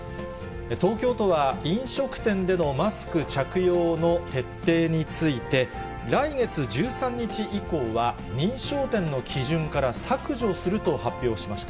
東京都は飲食店でのマスク着用の徹底について、来月１３日以降は認証店の基準から削除すると発表しました。